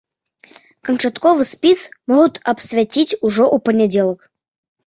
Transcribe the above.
Канчатковы спіс могуць абвясціць ужо ў панядзелак.